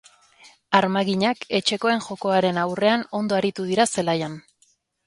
Armaginak etxekoen jokoaren aurrean ondo aritu dira zelaian.